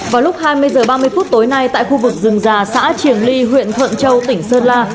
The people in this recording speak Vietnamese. vào lúc hai mươi h ba mươi phút tối nay tại khu vực rừng già xã triềng ly huyện thuận châu tỉnh sơn la